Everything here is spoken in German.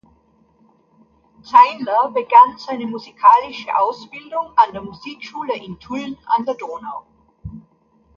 Zeinler begann seine musikalische Ausbildung an der Musikschule in Tulln an der Donau.